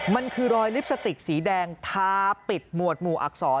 มันคือรอยลิปสติกสีแดงทาปิดหมวดหมู่อักษร